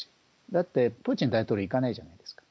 だって、プーチン大統領、行かないじゃないですか。